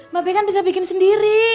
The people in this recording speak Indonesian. mbak be kan bisa bikin sendiri